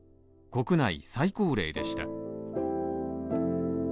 国内最高齢でした。